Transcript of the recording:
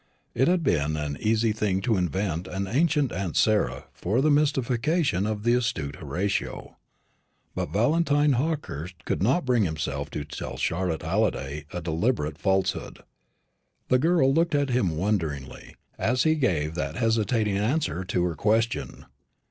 It had been an easy thing to invent an ancient aunt Sarah for the mystification of the astute Horatio; but Valentine Hawkehurst could not bring himself to tell Charlotte Halliday a deliberate falsehood. The girl looked at him wonderingly, as he gave that hesitating answer to her question.